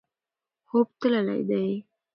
خوب تللی دی.